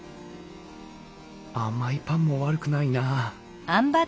甘いパンも悪くないな。